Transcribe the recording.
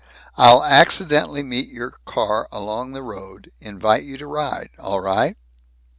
"I'll accidentally meet your car along the road. Invite you to ride. All right?"